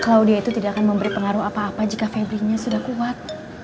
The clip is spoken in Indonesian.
claudia itu tidak akan memberi pengaruh apa apa jika febrinya sudah kuat